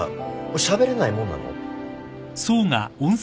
しゃべれないもんなの？